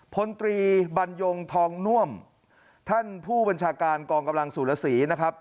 พลตรีบรรยงทองน่วมท่านผู้บัญชาการกองกำลังสุรสีนะครับ